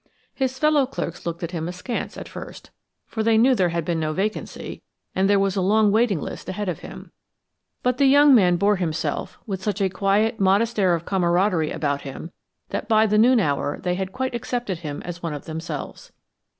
His fellow clerks looked at him askance at first, for they knew there had been no vacancy, and there was a long waiting list ahead of him, but the young man bore himself with such a quiet, modest air of camaraderie about him that by the noon hour they had quite accepted him as one of themselves.